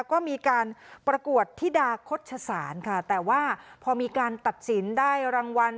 ก็มีการประกวดธิดาคดชศาลค่ะแต่ว่าพอมีการตัดสินได้รางวัล